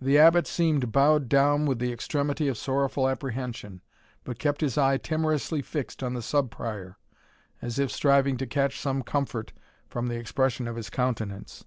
The Abbot seemed bowed down with the extremity of sorrowful apprehension, but kept his eye timorously fixed on the Sub Prior, as if striving to catch some comfort from the expression of his countenance.